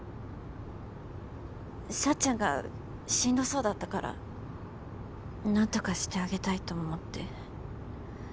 幸ちゃんがしんどそうだったからなんとかしてあげたいと思って。